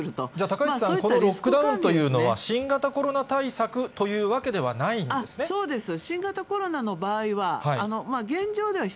高市さん、このロックダウンというのは、新型コロナ対策というわけではないんですね。